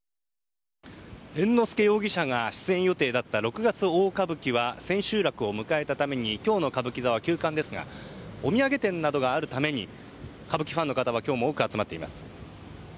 猿之助容疑者が出演予定だった「六月大歌舞伎」は千秋楽を迎えたために今日の歌舞伎座は休館ですがお土産店などがあるために歌舞伎ファンの方は今日も多く集まっています。